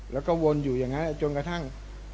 แล้วก็วนอยู่อย่างนั้นจนกระทั่ง